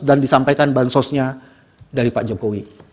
dan di sampaikan ban sos nya dari pak jokowi